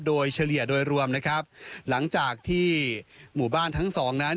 โดยเฉลี่ยโดยรวมนะครับหลังจากที่หมู่บ้านทั้งสองนั้น